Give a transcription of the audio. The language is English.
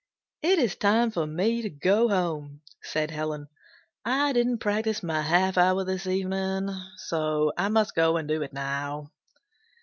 "It is time for me to go home," said Helen. "I didn't practice my half hour this evening, so I must go and do it now."